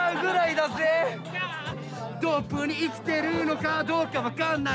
ｄｏｐｅに生きてるのかどうか分かんない！